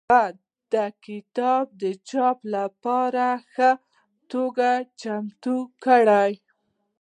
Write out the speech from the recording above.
هغه دا کتاب د چاپ لپاره په ښه توګه چمتو کړ.